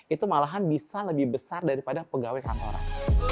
itu malahan bisa lebih besar daripada pegawai kantoran